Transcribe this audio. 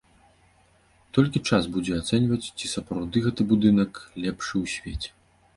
Толькі час будзе ацэньваць, ці сапраўды гэты будынак лепшы ў свеце.